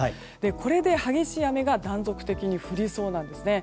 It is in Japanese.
これで激しい雨が断続的に降りそうなんですね。